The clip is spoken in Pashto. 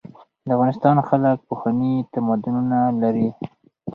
د افغانستان خلک پخواني تمدنونه لري.